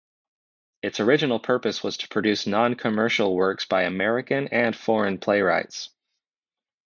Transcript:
Its original purpose was to produce non-commercial works by American and foreign playwrights.